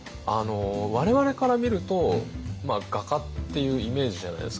我々から見ると画家っていうイメージじゃないですか。